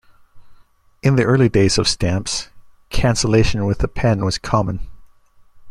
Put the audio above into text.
In the early days of stamps, cancellation with a pen was common.